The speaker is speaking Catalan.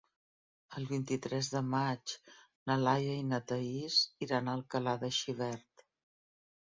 El vint-i-tres de maig na Laia i na Thaís iran a Alcalà de Xivert.